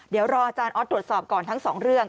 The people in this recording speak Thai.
เดี๋ยวรออาจารย์ออสตรวจสอบก่อนทั้งสองเรื่อง